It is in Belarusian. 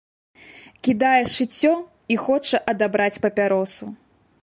Кідае шыццё і хоча адабраць папяросу.